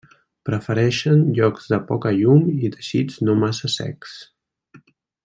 Prefereixen llocs de poca llum i teixits no massa secs.